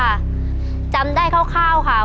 ขอเชิญแสงเดือนมาต่อชีวิต